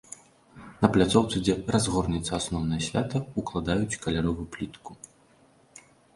На пляцоўцы, дзе разгорнецца асноўнае свята, укладаюць каляровую плітку.